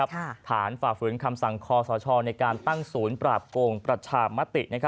ฝ่าฝืนคำสั่งคอสชในการตั้งศูนย์ปราบโกงประชามติ